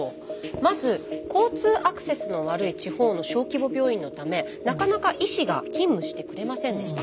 まず交通アクセスの悪い地方の小規模病院のためなかなか医師が勤務してくれませんでした。